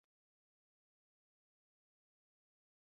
Fry took capoeira for six years prior to doing drag.